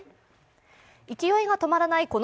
勢いが止まらない